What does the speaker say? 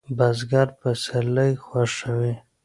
بزګر پسرلی خوښوي